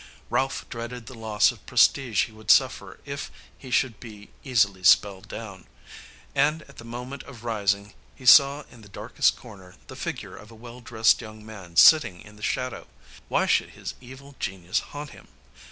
Ralph dreaded the loss of prestige he would suffer if he should be easily spelled down. And at the moment of rising he saw in the darkest corner the figure of a well dressed young man sitting in the shadow. Why should his evil genius haunt him?